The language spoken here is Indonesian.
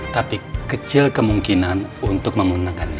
tapi kecil kemungkinan untuk menggunakannya